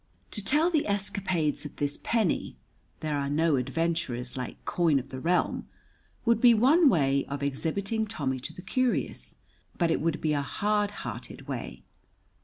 To tell the escapades of this penny (there are no adventurers like coin of the realm) would be one way of exhibiting Tommy to the curious, but it would be a hard hearted way.